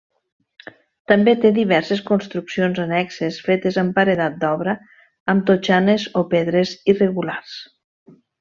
També té diverses construccions annexes fetes amb paredat d'obra, amb totxanes o pedres irregulars.